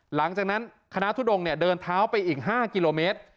หลังจากนั้นคณะทุดงเดินเท้าไปอีก๕กิโลเมตร